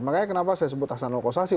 makanya kenapa saya sebut hasanul kosasi